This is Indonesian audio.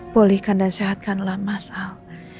polihkan dan sehatkanlah mas al